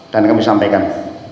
dan kami sampaikan